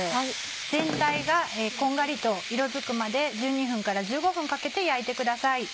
全体がこんがりと色づくまで１２分から１５分かけて焼いてください。